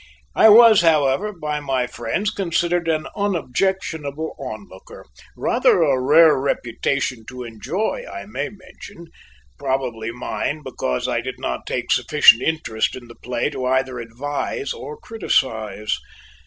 I was, however, by my friends considered an unobjectionable onlooker rather a rare reputation to enjoy, I may mention, probably mine because I did not take sufficient interest in the play to either advise or criticise.